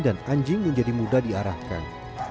dan anjing menjadi mudah diarahkan